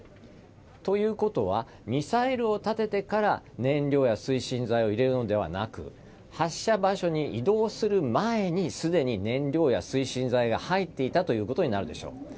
ということはミサイルを立ててから燃料や推進剤を入れるんではなく発射場所に移動する前にすでに燃料や推進剤が入っていたということになるでしょう。